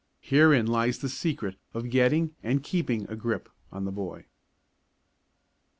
Herein lies the secret of getting and keeping a grip on the boy.